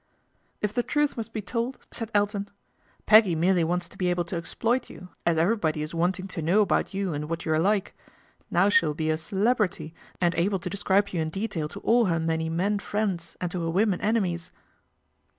" If the truth must be told," said Elton, I * Peggy merely wants to be able to exploit you, Is everybody is wanting to know about you and vhat you are like. Now she will be a celebrity, md able to describe you in detail to all her many nen friends and to her women enemies."